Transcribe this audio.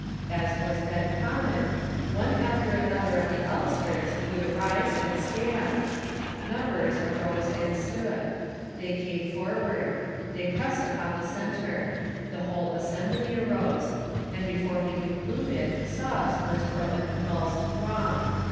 As was then common, one after another on the outskirts would arise and stand ; numbers arose and stood ; they came forward ; they pressed upon the centre ; the whole assembly arose ; and before he concluded sobs burst from the convulsed throng.